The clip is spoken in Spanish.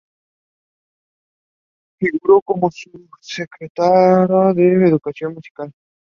Figuró como Subdirectora de Educación Musical.